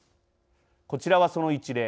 こちらは、その一例。